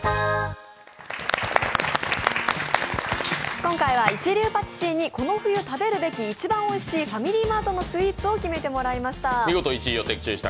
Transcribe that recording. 今回は一流パティシエにこの冬食べるべき一番おいしいファミリーマートのスイーツを決めていただきました。